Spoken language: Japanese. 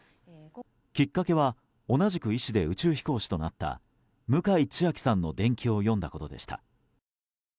きっかけは同じく医師で宇宙飛行士となった向井千秋さんの伝記を読んだことでした。